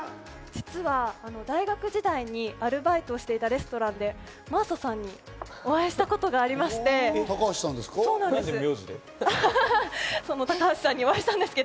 実は大学時代にアルバイトをしていたレストランで真麻さんにお会いしたことがありまして、高橋さんですか？